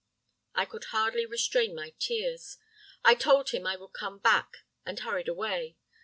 "I could hardly restrain my tears. I told him I would come back, and hurried away.